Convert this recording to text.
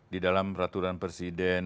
di dalam peraturan presiden